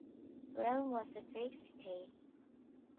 Rome was a Greek city.